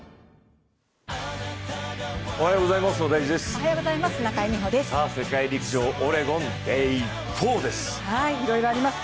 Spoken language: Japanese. おはようございます。